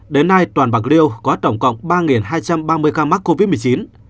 đến nay toàn bạc liêu có tổng cộng ba hai trăm ba mươi ca mắc covid một mươi chín